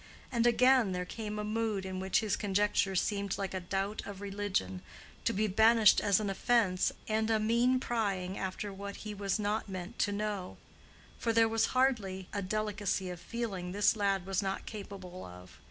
And again there came a mood in which his conjectures seemed like a doubt of religion, to be banished as an offense, and a mean prying after what he was not meant to know; for there was hardly a delicacy of feeling this lad was not capable of.